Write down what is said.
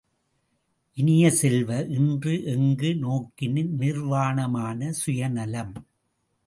இனிய செல்வ, இன்று எங்கு நோக்கினும் நிர்வானமான சுயநலம்!